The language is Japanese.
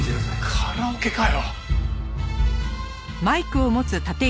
カラオケかよ！